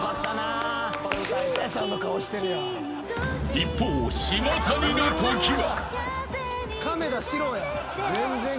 ［一方島谷のときは］